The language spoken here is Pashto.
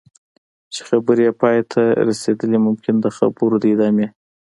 چې خبرې یې پای ته رسېدلي ممکن د خبرو د ادامې.